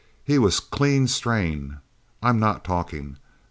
He was clean strain I'm not talking.